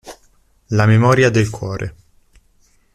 La memoria del cuore